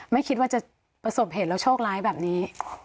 ไม่คิดว่าจะประสบเหตุแล้วโชคร้ายแบบนี้